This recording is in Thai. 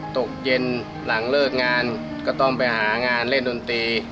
ตกเย็นหลังเลิกงานก็ต้องไปหางานเล่นดนตรี